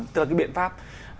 tức là cái biện pháp